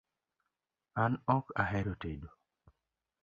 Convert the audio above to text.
An ok ahero tedo